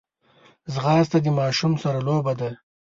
ځغاسته د ماشوم سره لوبه ده